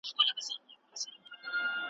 ملګرتیا د ژوند ښکلا ده.